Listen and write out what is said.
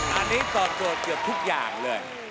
อันนี้ตอบโจทย์เกือบทุกอย่างเลย